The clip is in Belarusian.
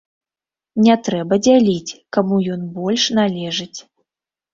Не трэба дзяліць, каму ён больш належыць.